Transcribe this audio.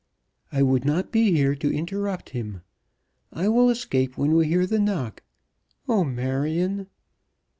"I would not be here to interrupt him. I will escape when we hear the knock. Oh, Marion!"